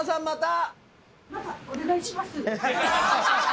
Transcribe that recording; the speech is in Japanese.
またお願いします。